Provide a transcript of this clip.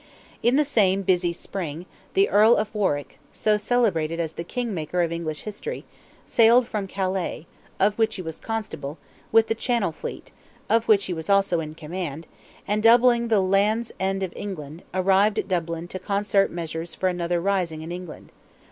In the same busy spring, the Earl of Warwick (so celebrated as "the Kingmaker" of English history) sailed from Calais, of which he was Constable, with the Channel fleet, of which he was also in command, and doubling the Land's End of England, arrived at Dublin to concert measures for another rising in England.